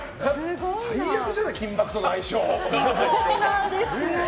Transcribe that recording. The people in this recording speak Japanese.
最悪じゃない「金バク！」との相性。